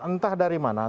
entah dari mana